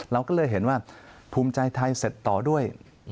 เราก็เลยเห็นว่าภูมิใจไทยเสร็จต่อด้วย